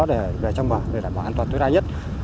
để đảm bảo an toàn tối đa nhất